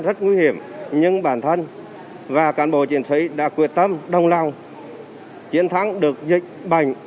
rất nguy hiểm nhưng bản thân và cán bộ chiến sĩ đã quyết tâm đồng lòng chiến thắng được dịch bệnh